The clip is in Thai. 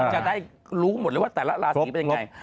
จะได้รู้หมดเลยว่าแต่ละราศีเป็นยังไง